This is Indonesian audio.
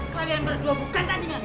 kalian berdua bukan tandingan